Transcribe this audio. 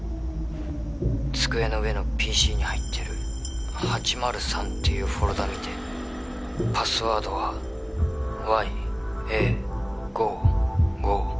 ☎机の上のＰＣに入ってる８０３っていうフォルダ見て☎パスワードはＹＡ５５